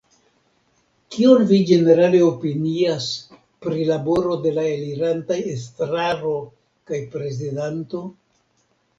Kion vi ĝenerale opinias pri laboro de la elirantaj estraro kaj prezidanto?